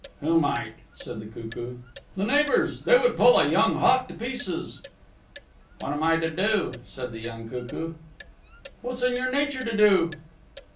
"Who might?" said the cuckoo. "The neighbors. They would pull a young hawk to pieces." "What am I to do?" said the young cuckoo. "What's in your nature to do?"